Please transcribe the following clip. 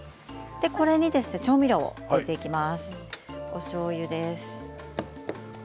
これに調味料を入れていきます。